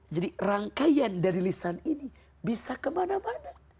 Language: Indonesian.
jadi rangkaian dari lisan ini bisa kemana mana